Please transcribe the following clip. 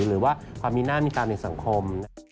หรือว่าความมีหน้ามีตามในสังคม